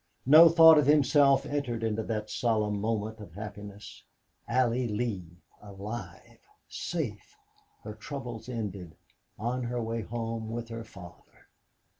No thought of himself entered into that solemn moment of happiness. Allie Lee alive safe her troubles ended on her way home with her father!